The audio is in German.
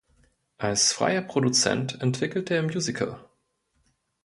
Als freier Produzent entwickelte er Musical!